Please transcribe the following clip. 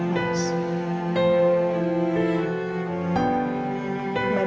kita semua gak apa apa